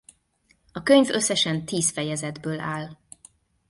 A könyv összesen tíz fejezetből áll.